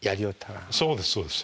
そうですそうです。